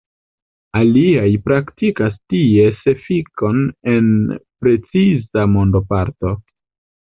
Aliaj pritraktas ties efikon en preciza mondoparto.